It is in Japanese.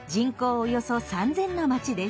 およそ３，０００の町です。